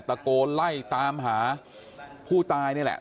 ตะโกนไล่ตามหาผู้ตายนี่แหละ